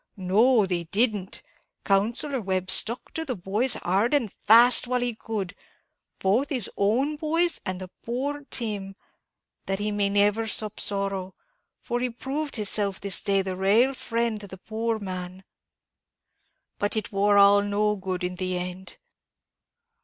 "No, they didn't! Counsellor Webb stuck to the boys hard and fast, while he could; both his own boys and poor Tim; and that he may never sup sorrow; for he proved hisself this day the raal friend to the poor man " "But it war all no good in the end?"